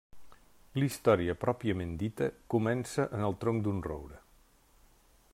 La història pròpiament dita comença en el tronc d'un roure.